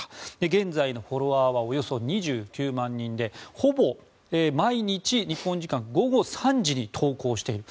現在のフォロワーはおよそ２９万人でほぼ毎日、日本時間午後３時に投稿している。